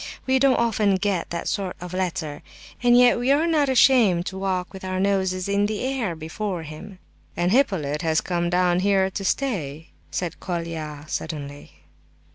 There! we don't often get that sort of letter; and yet we are not ashamed to walk with our noses in the air before him." "And Hippolyte has come down here to stay," said Colia, suddenly.